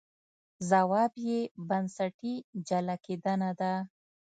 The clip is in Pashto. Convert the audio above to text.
ځواب یې بنسټي جلا کېدنه ده.